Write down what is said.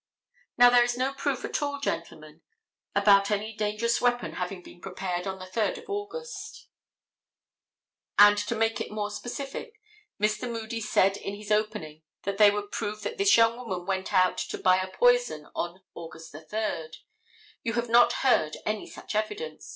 Now, there is no proof at all, gentlemen, about any dangerous weapon having been prepared upon the 3d of August. And to make it more specific, Mr. Moody said in his opening that they would prove that this young woman went out to buy a poison on August 3. You have not heard any such evidence.